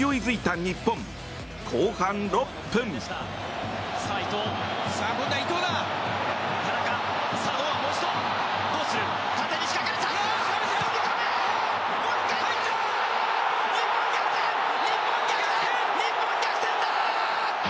日本、逆転だ！